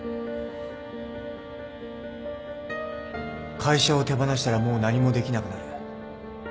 会社を手放したらもう何もできなくなる。